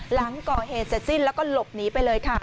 หลังก่อเหตุเสร็จสิ้นแล้วก็หลบหนีไปเลยค่ะ